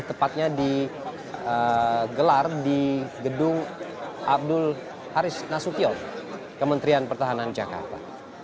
tepatnya digelar di gedung abdul haris nasution kementerian pertahanan jakarta